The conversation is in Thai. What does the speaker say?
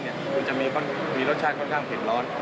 มันจะมีรสชาติค่อนข้างเผ็ดร้อน